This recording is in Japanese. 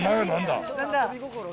なんだ？